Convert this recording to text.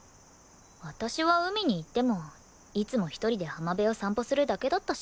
私は海に行ってもいつも一人で浜辺を散歩するだけだったし。